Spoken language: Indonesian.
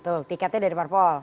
betul tiketnya dari parpol